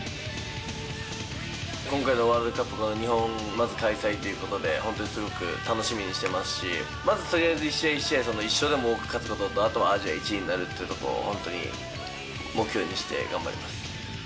今回のワールドカップは日本、まず開催ということで、本当にすごく楽しみにしてますし、まずとりあえず一試合一試合、一勝でも多く勝つこと、あとはアジア１位になるというところを、本当に目標にして頑張ります。